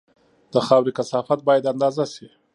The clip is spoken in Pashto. د خاورې کثافت باید اندازه شي